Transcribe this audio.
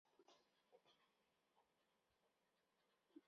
当时太守刘夏派官吏陪同难升米一行前往洛阳。